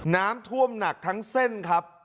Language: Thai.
น้ำท่วมหนักทั้งเส้นครับ